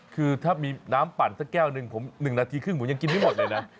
คือถ้ามีน้ำปั่นสักแก้วหนึ่งผม๑นาทีครึ่งผมยังกินไม่หมดเลยนะ